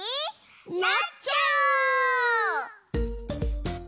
なっちゃおう！